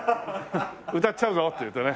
歌っちゃうぞっていうとね。